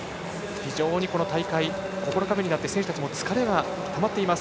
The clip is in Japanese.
非常に大会９日目になって選手たちも疲れがたまっています。